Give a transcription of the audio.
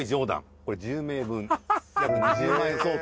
これ１０名分約２０万円相当。